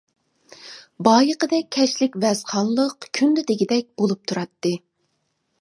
بايىقىدەك كەچلىك ۋەزخانلىق كۈندە دېگۈدەك بولۇپ تۇراتتى.